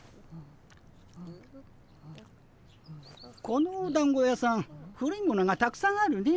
このおだんご屋さん古いものがたくさんあるね。